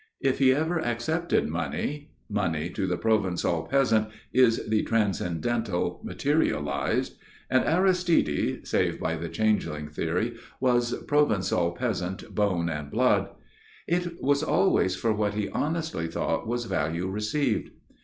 If he ever accepted money money to the Provençal peasant is the transcendental materialised, and Aristide (save by the changeling theory) was Provençal peasant bone and blood it was always for what he honestly thought was value received.